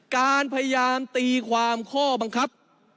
การพยายามตีความข้อบังคับ